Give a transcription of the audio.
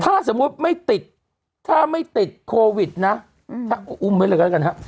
ถ้าสมมุติไม่ติดถ้าไม่ติดโควิดนะถ้าอุ้มไว้เลยก็แล้วกันฮะ